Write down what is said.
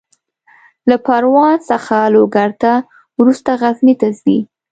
له پروان څخه لوګر ته، وروسته غزني ته ځي.